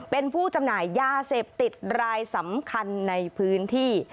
เป็นผู้จำหน่ายยาเสพติดรายสำคัญในพื้นที่